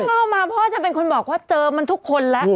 พ่อมาพ่อจะเป็นคนบอกว่าเจอมันทุกคนแล้ว